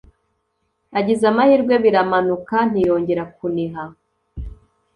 agize amahirwe biramanuka ntiyongera kuniha